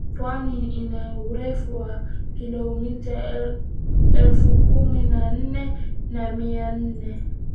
Pwani ina urefu wa kilomita elfu kumi na nne na mia nne